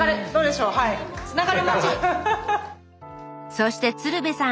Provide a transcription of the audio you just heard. そして鶴瓶さん